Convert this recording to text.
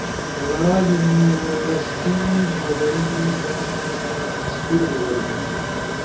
لا یونیورسٹی بو بئینی، سکول بو بئینو،